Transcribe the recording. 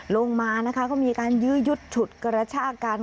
ลงมาก็มีการยืดชุดกระชากัน